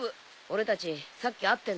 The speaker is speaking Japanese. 俺たちさっき会ってんだ。